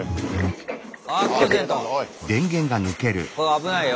危ないよ。